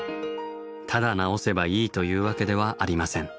ただ直せばいいというわけではありません。